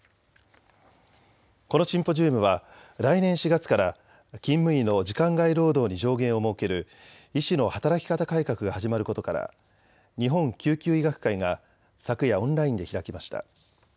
このシンポジウムは来年４月から勤務医の時間外労働に上限を設ける医師の働き方改革が始まることから、日本救急医学会が昨夜、オンラインで開きました。